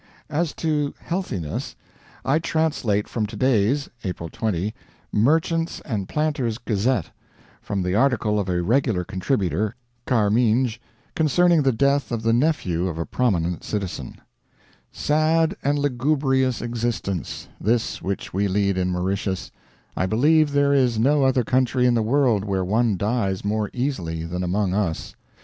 As to healthiness: I translate from to day's (April 20) Merchants' and Planters' Gazette, from the article of a regular contributor, "Carminge," concerning the death of the nephew of a prominent citizen: "Sad and lugubrious existence, this which we lead in Mauritius; I believe there is no other country in the world where one dies more easily than among us.